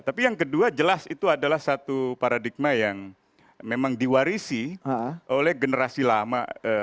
tapi yang kedua jelas itu adalah satu paradigma yang memang diwarisi oleh generasi lama